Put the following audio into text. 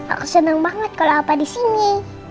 aku seneng banget kalo opa disini